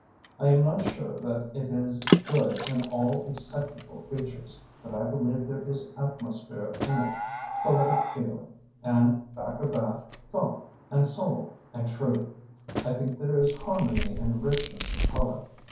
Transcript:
I am not sure that it is good in all its technical features, but I believe there is atmosphere in it, poetic feeling, and, back of that, thought, and soul, and truth. I think there is harmony and richness of colour.